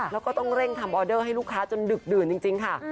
แล้วก็ต้องเร่งทำออเดอร์ให้ลูกค้าจนดึกดื่นจริงค่ะ